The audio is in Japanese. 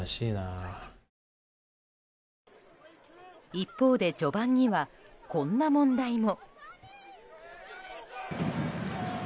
一方で、序盤にはこんな問題も。